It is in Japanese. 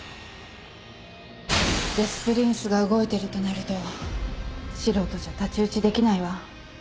「デス・プリンス」が動いてるとなると素人じゃ太刀打ちできないわ。